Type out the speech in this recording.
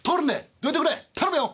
どいてくれ頼むよ。